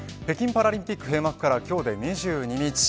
北京パラリンピック閉幕から今日で２２日。